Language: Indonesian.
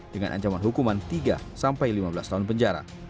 dengan ancaman hukuman tiga sampai lima belas tahun penjara